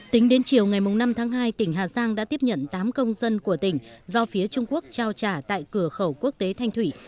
tính đến chiều ngày năm tháng hai tỉnh hà giang đã tiếp nhận tám công dân của tỉnh do phía trung quốc trao trả tại cửa khẩu quốc tế thanh thủy